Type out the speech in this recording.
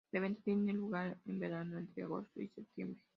El evento tiene lugar en verano, entre agosto y septiembre.